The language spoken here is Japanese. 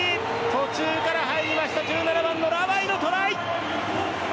途中から入りました１７番のラバイのトライ。